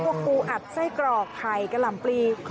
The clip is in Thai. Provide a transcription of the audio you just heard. พวกกูอัดไส้กรอกไทยกะหล่ำปลี